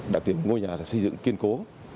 đặc điểm của ngôi nhà là xây dựng kiên cố